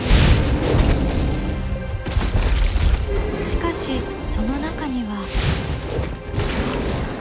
しかしその中には。